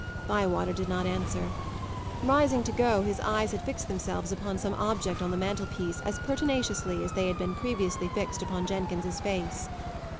Bywater did not answer. Rising to go, his eyes had fixed themselves upon some object on the mantelpiece as pertinaciously as they had previously been fixed upon Jenkins's face.